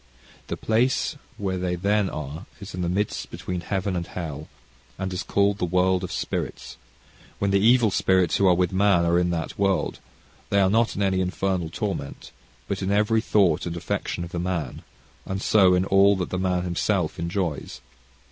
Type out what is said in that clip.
The place where they then are, is in the midst between heaven and hell, and is called the world of spirits when the evil spirits who are with man, are in that world, they are not in any infernal torment, but in every thought and affection of man, and so, in all that the man himself enjoys.